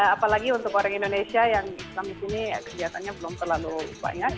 apalagi untuk orang indonesia yang islam di sini kegiatannya belum terlalu banyak